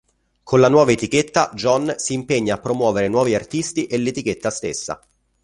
Con la nuova etichetta Jon si impegna a promuovere nuovi artisti e l'etichetta stessa.